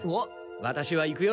ワタシは行くよ。